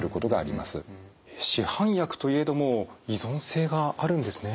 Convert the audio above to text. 市販薬といえども依存性があるんですね。